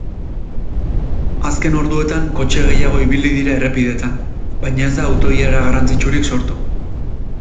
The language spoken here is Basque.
Azken orduetan kotxe gehiago ibili dira errepideetan baina ez da auto-ilara garrantzitsurik sortu.